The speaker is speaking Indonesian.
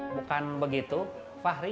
bukan begitu fahri